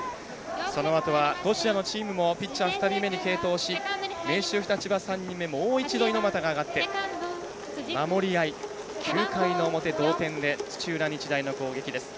そのあとは、どちらのチームもピッチャー２人目に継投し、明秀日立は３人目もう一度、猪俣が上がって守り合い、９回の表、同点で土浦日大の攻撃です。